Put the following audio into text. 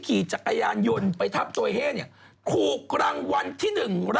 คือสะพ้ายล้านหมูกระทะนี่